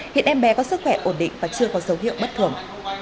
hiện em bé có sức khỏe ổn định và chưa có dấu hiệu bất thường